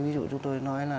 ví dụ chúng tôi nói là